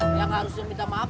dia gak harusnya minta maaf